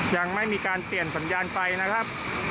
ยังไม่มีการเปลี่ยนสัญญาณไฟนะครับ